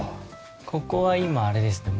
ここは今あれですね